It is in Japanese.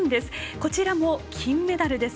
こちらも金メダルです。